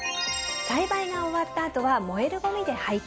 栽培が終わったあとは燃えるごみで廃棄。